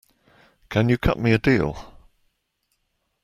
Can you cut me a deal?